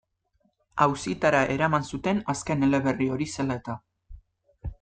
Auzitara eraman zuten azken eleberri hori zela eta.